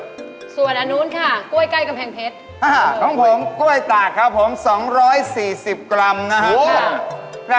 คล้องผมกล้วยตากครับคล้องคล้อง๒๔๐กรัมนะครับ